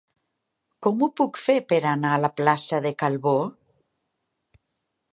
Com ho puc fer per anar a la plaça de Calvó?